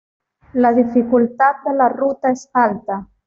La dificultad de la ruta es alta.